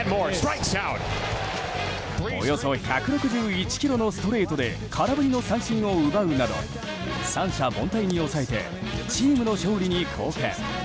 およそ１６１キロのストレートで空振りの三振を奪うなど三者凡退に抑えてチームの勝利に貢献。